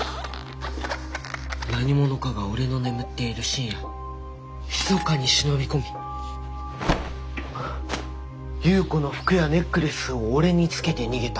何者かがおれの眠っている深夜ひそかに忍び込み夕子の服やネックレスをおれにつけて逃げた。